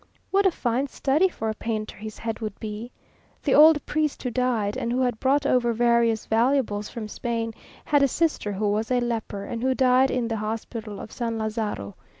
What a fine study for a painter his head would be! The old priest who died, and who had brought over various valuables from Spain, had a sister who was a leper, and who died in the hospital of San Lazaro.